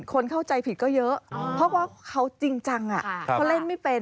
คนเข้าใจผิดก็เยอะเพราะว่าเขาจริงจังเขาเล่นไม่เป็น